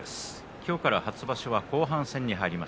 今日から初場所は後半戦に入ります。